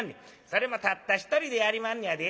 それもたった一人でやりまんねやで。